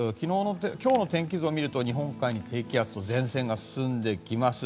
今日の天気図を見ると日本海に低気圧と前線が入ってきています。